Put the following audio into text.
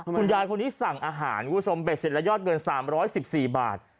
คุณยายคนนี้สั่งอาหารคุณผู้ชมเบ็ดเสร็จแล้วยอดเงิน๓๑๔บาท